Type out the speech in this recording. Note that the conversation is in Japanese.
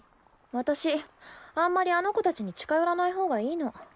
私あんまりあの子達に近寄らない方がいいの。